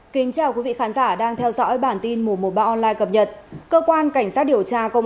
xin chào quý vị khán giả đang theo dõi bản tin mùa một mươi ba online cập nhật cơ quan cảnh sát điều tra công